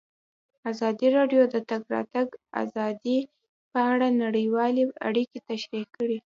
ازادي راډیو د د تګ راتګ ازادي په اړه نړیوالې اړیکې تشریح کړي.